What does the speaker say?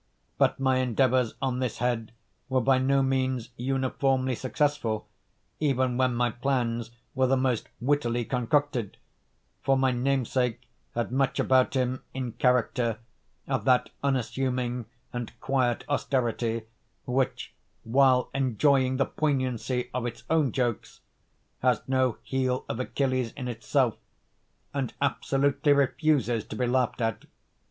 But my endeavours on this head were by no means uniformly successful, even when my plans were the most wittily concocted; for my namesake had much about him, in character, of that unassuming and quiet austerity which, while enjoying the poignancy of its own jokes, has no heel of Achilles in itself, and absolutely refuses to be laughed at.